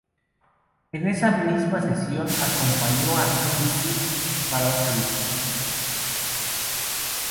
En esa misma sesión, acompañó a Sonny Stitt para otro disco.